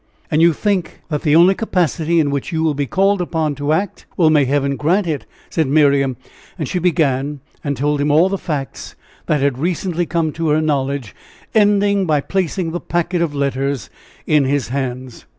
"And you think that the only capacity in which you will be called upon to act? Well, may Heaven grant it," said Miriam, and she began and told him all the facts that had recently come to her knowledge, ending by placing the packet of letters in his hands.